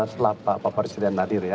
setelah pak presiden hadir ya